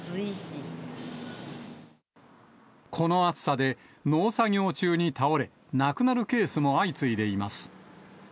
この暑さで農作業中に倒れ、亡くなるケースも相次いでいます。